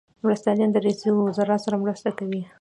مرستیالان د رئیس الوزرا سره مرسته کوي